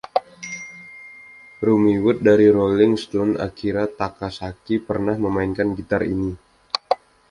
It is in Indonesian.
Ronnie Wood dari The Rolling Stones dan Akira Takasaki pernah memainkan gitar ini.